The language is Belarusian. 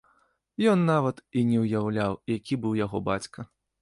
Ён нават і не ўяўляў, які быў яго бацька.